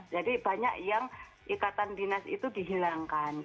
jadi banyak yang ikatan dinas itu dihilangkan